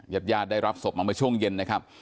ญาติญาติได้รับศพมาเมื่อช่วงเย็นนะครับ